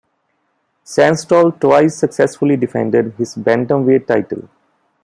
Sanstol twice successfully defended his bantamweight title.